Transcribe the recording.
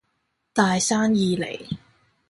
大生意嚟